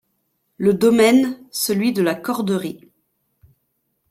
Le domaine celui de la corderie.